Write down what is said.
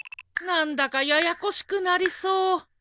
何だかややこしくなりそう。